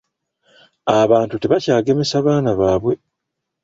Abantu tebakyagemesa baana baabwe.